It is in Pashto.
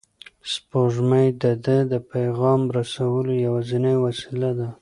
سپوږمۍ د ده د پیغام رسولو یوازینۍ وسیله ده.